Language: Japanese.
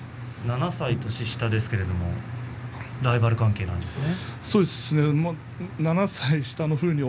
７歳年下ですけれどもライバル関係ですね。